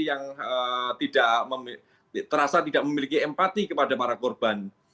yang terasa tidak memiliki empati kepada para korban